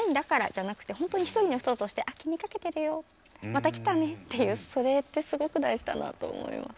じゃなくて本当に一人の人として気にかけてるよまた来たねっていうそれってすごく大事だなと思います。